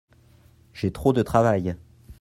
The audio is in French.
j'ai trop de travail.